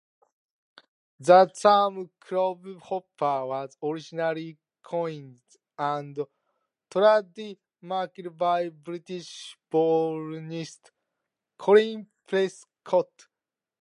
The term "Cloudhopper" was originally coined and trademarked by British balloonist Colin Prescot.